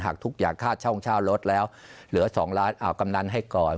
หักทุกอย่างค่าเช่าโรงชาวลดแล้วเหลือ๒ล้านเอากำนันให้ก่อน